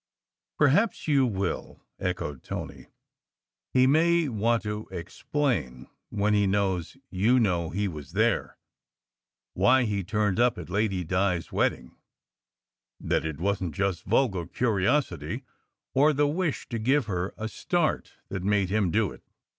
"Perhaps you will," echoed Tony. "He may want to explain, when he knows you know he was there, why he turned up at Lady Di s wedding: that it wasn t just vulgar curiosity, or the wish to give her a start that made him do it."